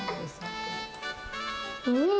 うん！